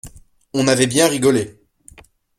On avait bien rigolé.